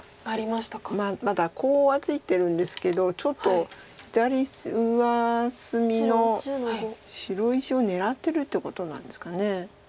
まだコウはついてるんですけどちょっと左上隅の白石を狙ってるっていうことなんですか。